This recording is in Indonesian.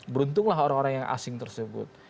beruntunglah orang orang yang asing tersebut